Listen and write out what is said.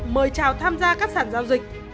mời trào tham gia các sản giao dịch